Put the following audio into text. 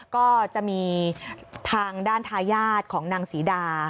ก็จะมีทางด้านทายาทของนางศรีดา